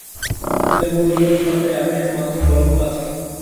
এদের মূল্য কেবল সরকারী আদেশের মাধ্যমে বলবৎ আছে।